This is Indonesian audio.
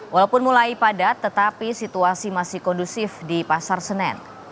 walaupun mulai padat tetapi situasi masih kondusif di pasar senen